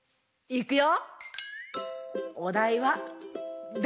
いくよ！